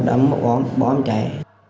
đóng bỏ bỏ em chạy